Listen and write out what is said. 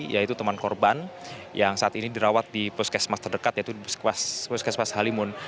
yaitu teman korban yang saat ini dirawat di puskesmas terdekat yaitu puskesmas halimun